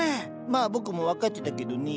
まあ僕も分かってたけどね。